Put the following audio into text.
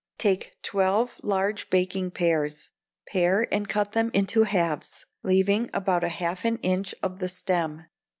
Take twelve large baking pears; pare and cut them into halves, leaving on about half an inch of the stem.